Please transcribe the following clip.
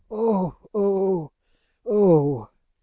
"Oh, oh, oh."